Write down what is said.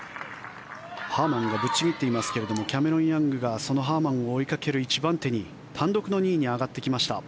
ハーマンがぶっちぎっていますけれどキャメロン・ヤングがそのハーマンを追いかける１番手に単独の２位に上がってきました。